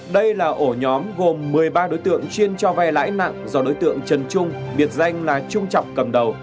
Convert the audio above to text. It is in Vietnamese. đây là ổ nhóm gồm một mươi ba đối tượng chuyên cho vay lãi nặng do đối tượng trần trung biệt danh là trung trọng cầm đầu